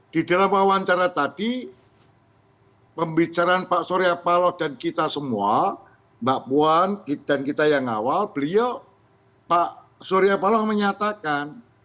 di dalam wawancara tadi pembicaraan pak surya paloh dan kita semua mbak puan dan kita yang awal beliau pak surya paloh menyatakan